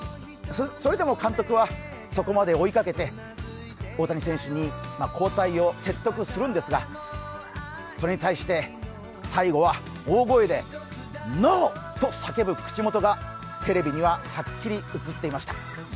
それでも監督はそこまで追いかけて、大谷選手に交代を説得するんですが、それに対して最後は大声でノー！と叫ぶ口元がテレビにははっきり映っていました。